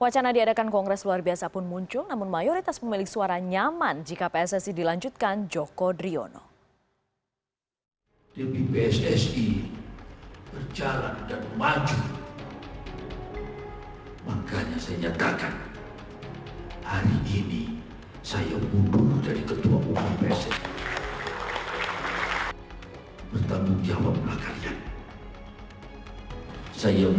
setelah dua tahun menjabat edi rahmayadi menyatakan mundur sebagai ketua pssi